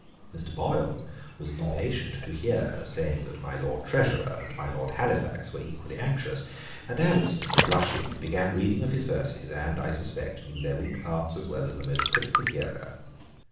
Mr. Boyle was all impatient to hear, saying that my Lord Treasurer and my Lord Halifax were equally anxious; and Addison, blushing, began reading of his verses, and, I suspect, knew their weak parts as well as the most critical hearer.